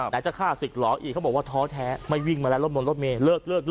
จะฆ่าศึกหลออีกเขาบอกว่าท้อแท้ไม่วิ่งมาแล้วรถบนรถเมย์เลิก